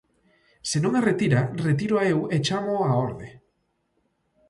Se non a retira, retíroa eu e chámoo á orde.